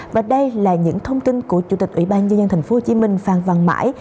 và đây là những thông tin của chủ tịch ủy ban nhân dân tp hcm phan văn mãi